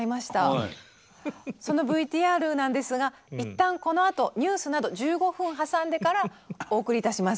そのＶＴＲなんですが一旦このあとニュースなど１５分挟んでからお送りいたします。